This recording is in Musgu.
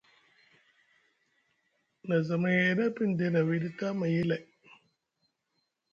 Na zamay e ɗa pin de na wiiɗi tamayyi lay.